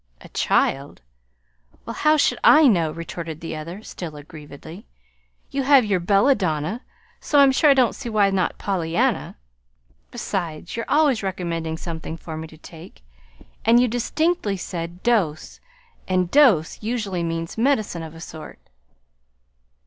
"A child? Well, how should I know," retorted the other, still aggrievedly. "You have your 'belladonna,' so I'm sure I don't see why not 'pollyanna.' Besides, you're always recommending something for me to take, and you distinctly said 'dose' and dose usually means medicine, of a sort."